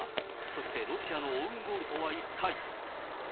そしてロシアのオウンゴールとは一体。